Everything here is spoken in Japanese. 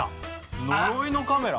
「呪いのカメラ」